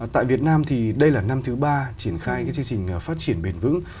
tại việt nam thì đây là năm thứ ba triển khai chương trình phát triển bền vững